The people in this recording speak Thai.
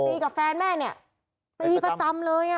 กับแฟนแม่เนี่ยตีประจำเลย